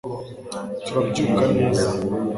turabyuka neza